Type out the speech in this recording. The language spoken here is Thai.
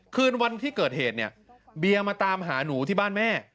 คืนวันที่เกิดเหตุเนี่ยเบียมาตามหาหนูที่บ้านแม่